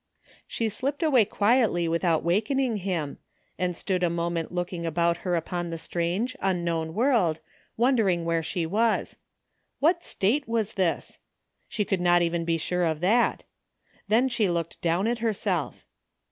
She slipped away quietly without wakening him, and stood a moment looking about her upon the strange 40 THE FINDING OF JASPER HOLT unknown world, wondering where she was. What State was this? She could not even be sure of that Then she looked down at herself.